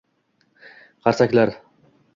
Qarsaklaaaar